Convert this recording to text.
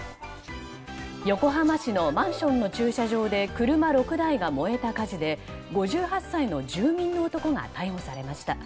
横浜市のマンションの駐車場で車６台が燃えた火事で５８歳の住民の男が逮捕されました。